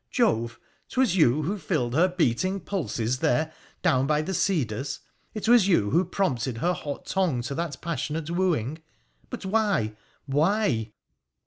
Jove ! 'twas you who filled her beating pulses there down by the cedars, it was you who prompted her hot tongue to that passionate wooing ? But why — why